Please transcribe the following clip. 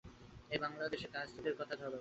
এই বাঙলা দেশের কায়স্থদের কথা ধর।